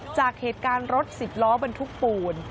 จากเหตุการณ์รถสิบล้อบรรทุกปูน